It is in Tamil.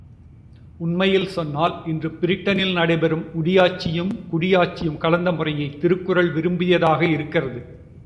உண்மையில் சொன்னால் இன்று பிரிட்டனில் நடைபெறும் முடியாட்சியும் குடியாட்சியும் கலந்த முறையைத் திருக்குறள் விரும்பியதாக இருக்கிறது.